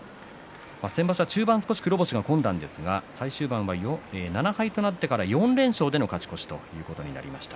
先場所は中盤、少し黒星が込んだんですが最終盤は７敗となってから４連勝での勝ち越しということになりました。